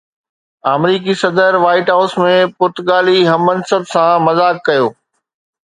آمريڪي صدر White House ۾ پرتگالي هم منصب سان مذاق ڪيو